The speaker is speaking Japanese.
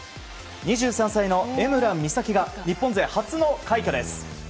２３歳の江村美咲が日本勢初の快挙です。